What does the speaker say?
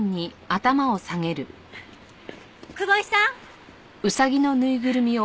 久保井さん！